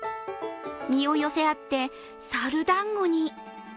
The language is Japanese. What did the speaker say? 身を寄せ合って猿だんごに。